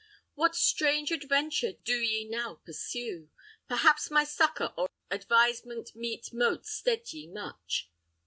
What strange adventure do ye now pursue? Perhaps my succour or advisement meet Mote stead ye much.